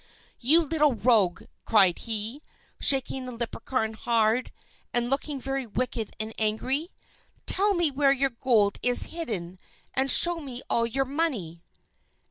"You little rogue!" cried he, shaking the Leprechaun hard, and looking very wicked and angry. "Tell me where your gold is hidden, and show me all your money!"